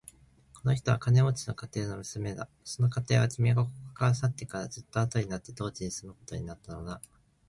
この人は金持の家庭の娘だ。その家庭は、君がここから去ってからずっとあとになって当地に住むことになったのだ。